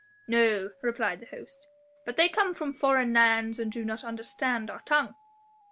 "No," replied the host, "but they come from foreign lands and do not understand our tongue."